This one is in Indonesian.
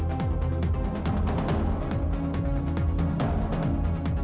hei karena aku tidak menggrundétmu